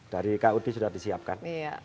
dari kud sudah disiapkan